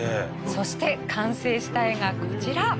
そして完成した絵がこちら。